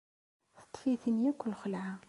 Teṭṭef-iten akk lxelɛa.